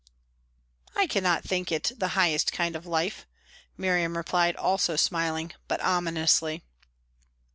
"I cannot think it the highest kind of life," Miriam replied, also smiling, but ominously.